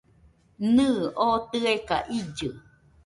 Nɨɨ, oo tɨeka illɨ .